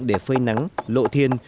để phơi nắng lộ thiên